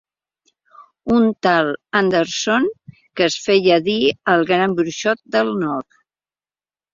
Un tal Anderson, que es feia dir el Gran Bruixot del Nord.